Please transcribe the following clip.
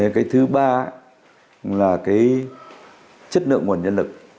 cái thứ ba là cái chất lượng nguồn nhân lực